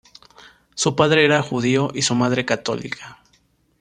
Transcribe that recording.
Su padre era judío y su madre católica.